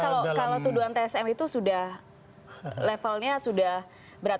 karena kalau tuduhan tsm itu sudah levelnya sudah berat